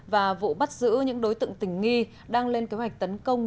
và vụ bắt giữ những đối tượng tình nghi đang lên kế hoạch tấn công